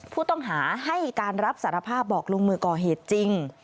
ผู้ต้องหาให้การรับสารภาพบอกลงมือก่อเหตุจริง